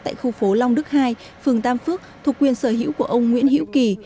tại khu phố long đức hai phường tam phước thuộc quyền sở hữu của ông nguyễn hiễu kỳ